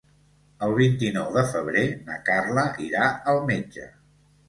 El vint-i-nou de febrer na Carla irà al metge.